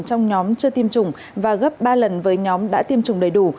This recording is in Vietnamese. trong nhóm chưa tiêm chủng và gấp ba lần với nhóm đã tiêm chủng đầy đủ